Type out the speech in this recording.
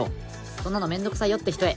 そんなの面倒くさいよって人へ。